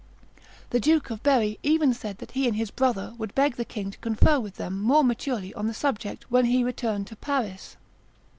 The Duke of Berry even said that he and his brother would beg the king to confer with them more maturely on the subject when he returned to Paris.